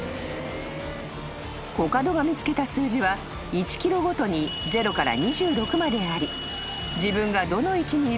［コカドが見つけた数字は１ｋｍごとに０から２６まであり自分がどの位置にいるのか